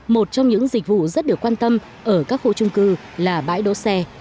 một trong những dịch vụ rất được quan tâm ở các khu trung cư là bãi đỗ xe